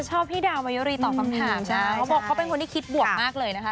พี่ดาวมายุรีตอบคำถามนะเขาบอกเขาเป็นคนที่คิดบวกมากเลยนะคะ